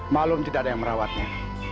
malung tidak ada yang merawatnya